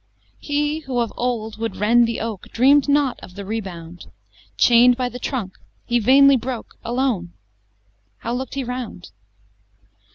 VI He who of old would rend the oak, Dream'd not of the rebound: Chain'd by the trunk he vainly broke Alone how look'd he round?